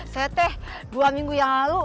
saya teh dua minggu yang lalu